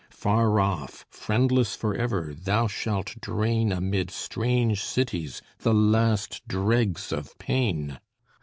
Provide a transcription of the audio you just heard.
Far off, friendless forever, thou shalt drain Amid strange cities the last dregs of pain!